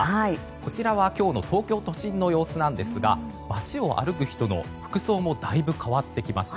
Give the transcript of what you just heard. こちらは今日の東京都心の様子ですが街を歩く人の服装もだいぶ変わってきました。